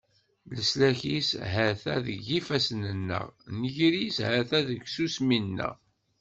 Leslak-is ha-t-a deg yifassen-nneɣ, nnger-is ha-t-a deg tsusmi-nneɣ.